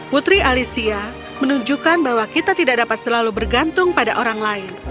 putri alicia menunjukkan bahwa kita tidak dapat selalu bergantung pada orang lain